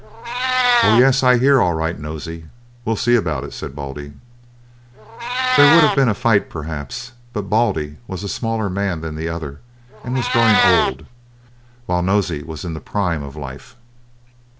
"Oh, yes, I hear. All right, Nosey, we'll see about it," said Baldy. There would have been a fight perhaps, but Baldy was a smaller man than the other and was growing old, while Nosey was in the prime of life.